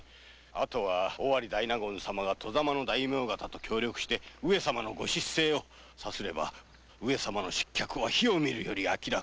あとは尾張大納言様が諸大名と協力して上様の御失政をさすれば上様の失脚は火を見るより。